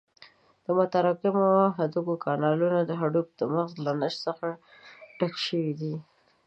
د متراکمو هډوکو کانالونه د هډوکو د مغزو له نسج څخه ډک شوي دي.